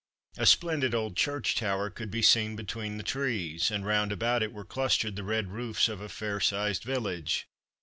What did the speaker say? A splendid old church tower could be seen between the trees, and round about it were clustered the red roofs of a fair sized village.